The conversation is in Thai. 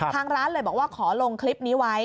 ทางร้านเลยบอกว่าขอลงคลิปนี้ไว้